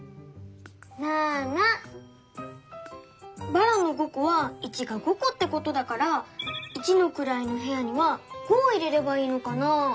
ばらの５こは「１」が５こってことだから一のくらいのへやには５を入れればいいのかな？